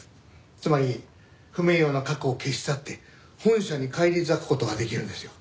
つまり不名誉な過去を消し去って本社に返り咲く事ができるんですよ。